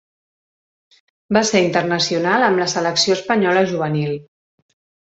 Va ser internacional amb la selecció espanyola juvenil.